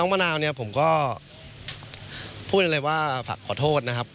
น้องมะนาวเนี้ยผมก็พูดอะไรว่าฝากขอโทษนะครับ